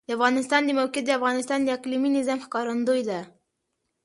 د افغانستان د موقعیت د افغانستان د اقلیمي نظام ښکارندوی ده.